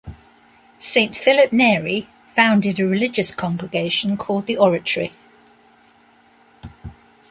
Saint Phillip Neri founded a religious congregation called the Oratory.